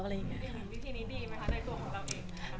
วิธีนี้ดีไหมคะในตัวของเราเองนะคะ